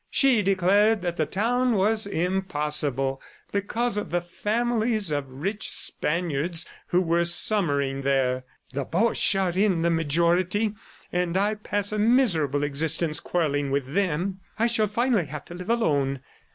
She declared that the town was impossible because of the families of rich Spaniards who were summering there. "The Boches are in the majority, and I pass a miserable existence quarrelling with them. ... I shall finally have to live alone."